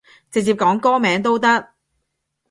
直接講歌名都得